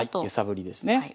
揺さぶりですね。